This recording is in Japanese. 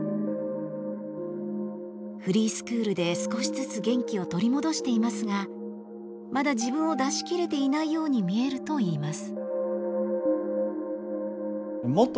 フリースクールで少しずつ元気を取り戻していますがまだ自分を出しきれていないように見えるといいます。